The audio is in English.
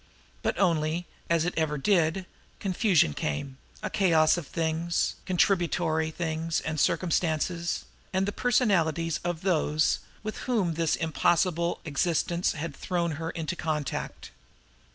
But only, as it ever did, confusion came a chaos of things, contributory things and circumstances, and the personalities of those with whom this impossible existence had thrown her into contact.